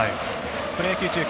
プロ野球中継